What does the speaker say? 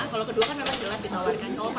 kalau kedua kan memang jelas ditawarkan